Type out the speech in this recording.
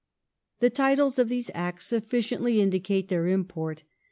The titles of these Acts sufficiently indicate their import.